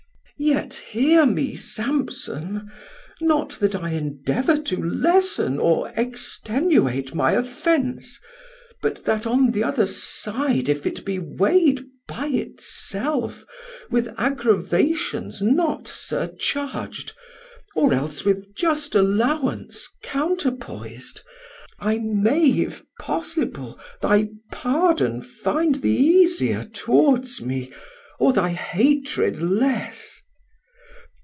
Dal: Yet hear me Samson; not that I endeavour To lessen or extenuate my offence, But that on th' other side if it be weigh'd By it self, with aggravations not surcharg'd, Or else with just allowance counterpois'd 770 I may, if possible, thy pardon find The easier towards me, or thy hatred less.